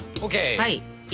はい！